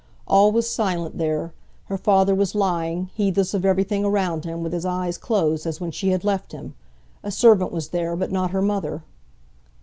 All was silent there; her father was lying, heedless of everything around him, with his eyes closed as when she had left him. A servant was there, but not her mother.